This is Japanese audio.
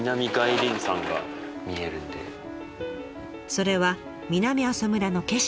それは南阿蘇村の景色。